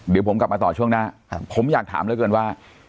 เดี๋ยวผมกลับมาต่อช่วงหน้าผมอยากถามเหลือเกินว่า